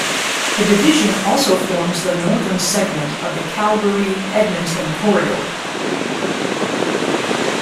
The division also forms the northern segment of the Calgary-Edmonton Corridor.